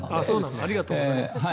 ありがとうございます。